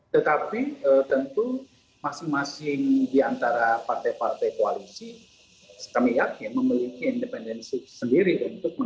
tetapi tentu masing masing di antara partai partai koalisi kami yakin memiliki independensi sendiri untuk menentukan kekuatan